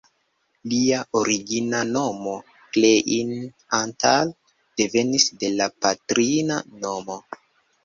Lia origina nomo "Klein Antal" devenis de la patrina nomo.